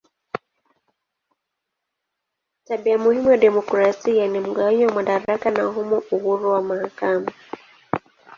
Tabia muhimu ya demokrasia ni mgawanyo wa madaraka na humo uhuru wa mahakama.